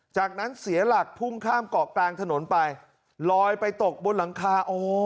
จากนั้นเสียหลักพุ่งข้ามเกาะกลางถนนไปลอยไปตกบนหลังคาอ๋อ